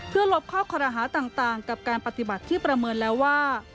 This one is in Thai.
เพื่อลบข้อคอรหาต่างกับการปฏิบัติที่ประเมินแล้วว่า